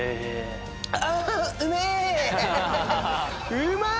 うまい！